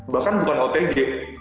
bahkan bukan otg